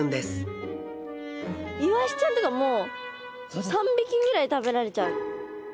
イワシちゃんとかもう３匹ぐらい食べられちゃう。